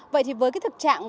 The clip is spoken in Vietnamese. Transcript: vậy thì với cái trực trạng